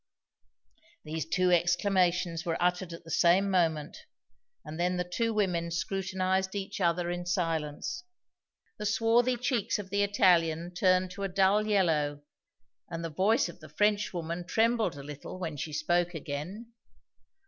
These two exclamations were uttered at the same moment, and then the two women scrutinized each other in silence. The swarthy cheeks of the Italian turned to a dull yellow, and the voice of the Frenchwoman trembled a little when she spoke again.